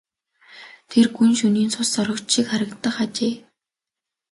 Тэр гүн шөнийн цус сорогч шиг харагдах ажээ.